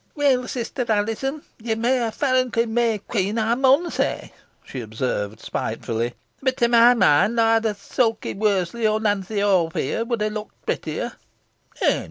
] "Weel, sister Alizon, ye may a farrently May Queen, ey mun say" she observed, spitefully, "but to my mind other Suky Worseley, or Nancy Holt, here, would ha' looked prottier."